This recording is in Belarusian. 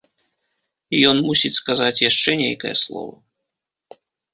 Ён мусіць сказаць яшчэ нейкае слова?